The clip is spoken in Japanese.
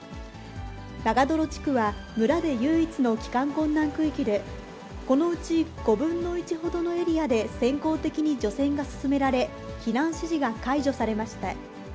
長泥地区は村で唯一の帰還困難区域で、このうち５分の１ほどのエリアで先行的に除染が進められ、避難指示が解除されました。